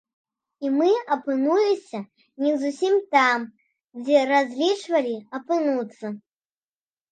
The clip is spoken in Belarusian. І мы апынуліся не зусім там, дзе разлічвалі апынуцца.